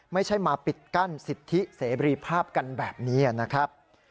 ไม่ใช่มาปิดกั้นสิทธิเสรีภาพกันแบบนี้นะครับ